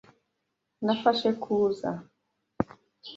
Nafashe ko uza.